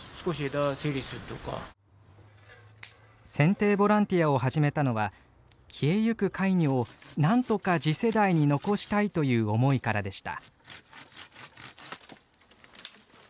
剪定ボランティアを始めたのは消えゆくカイニョをなんとか次世代に残したいという思いからでした。